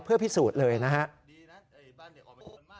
เพื่อพิสูจน์เลยนะครับ